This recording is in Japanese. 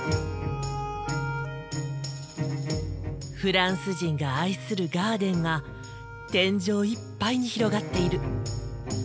フランス人が愛するガーデンが天井いっぱいに広がっている。